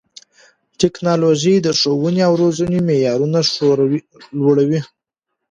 ټیکنالوژي د ښوونې او روزنې معیارونه لوړوي.